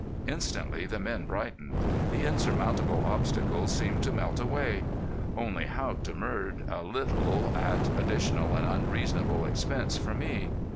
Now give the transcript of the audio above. Instantly the men brightened. The insurmountable obstacles seemed to melt away. Only Haught demurred a little at additional and unreasonable expense for me.